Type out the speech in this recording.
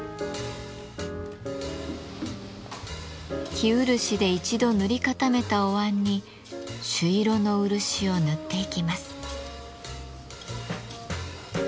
生漆で一度塗り固めたおわんに朱色の漆を塗っていきます。